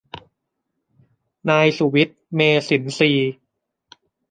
นายสุวิทย์ เมษินทรีย์